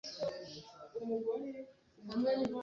umusore wigicucu ibintu biteye ubwoba